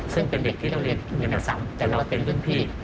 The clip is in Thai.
ซึ่งเป็นเด็กที่เราเรียนเมืองหน้าสามแต่เราเป็นรุ่นพี่